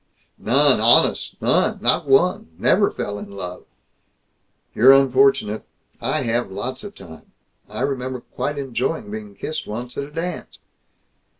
"None! Honest! None! Not one! Never fell in love " "You're unfortunate. I have, lots of times. I remember quite enjoying being kissed once, at a dance."